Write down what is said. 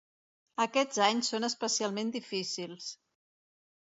Aquests anys són especialment difícils.